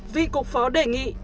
vì cục phó đề nghị